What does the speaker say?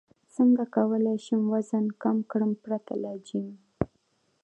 څنګه کولی شم وزن کم کړم پرته له جیم